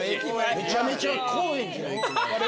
めちゃめちゃ高円寺の駅前。